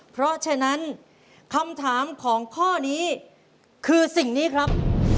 เพราะฉะนั้นคำถามของข้อนี้คือสิ่งนี้ครับ